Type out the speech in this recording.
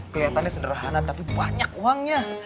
kelihatannya sederhana tapi banyak uangnya